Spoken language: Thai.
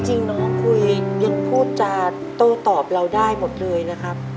จริงน้องคุยยังพูดจาโต้ตอบเราได้หมดเลยนะครับ